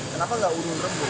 kenapa tidak urun rembuk